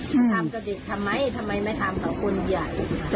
ทำกับเด็กทำไมทำไมไม่ทำกับคนใหญ่